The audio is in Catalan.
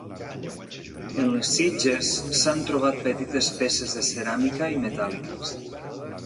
En les sitges s’han trobat petites peces de ceràmica i metàl·liques.